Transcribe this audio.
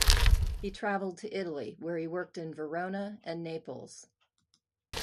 He travelled to Italy, where he worked in Verona and Naples.